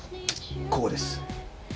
ここです。